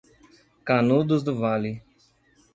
Canudos do Vale